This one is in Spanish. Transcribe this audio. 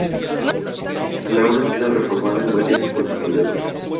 La obra ha sido reformada en varias oportunidades.